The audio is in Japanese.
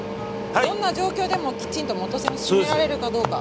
どんな状況でもきちんと元栓を閉められるかどうか。